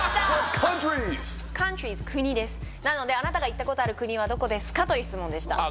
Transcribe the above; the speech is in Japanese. カントリーズ国ですなのであなたが行ったことある国はどこですか？という質問でしたあっ